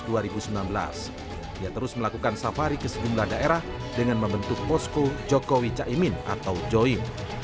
dia terus melakukan safari ke sejumlah daerah dengan membentuk posko jokowi caimin atau join